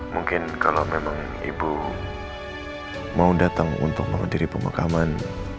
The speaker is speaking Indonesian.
mungkin kalau memang ibu mau datang untuk menghadiri pemakaman